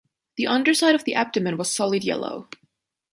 The underside of the abdomen was solid yellow.